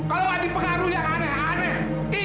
kalau ada pengaruh yang aneh aneh